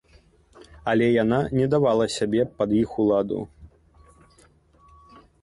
Але яна не давала сябе пад іх уладу.